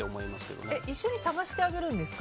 一緒に探してあげるんですか？